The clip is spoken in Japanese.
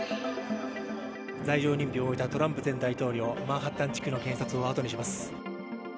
罪状認否を終えたトランプ前大統領、マンハッタン地区の検察をあとにします。